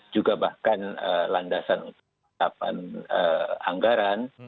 juga bahkan landasan anggaran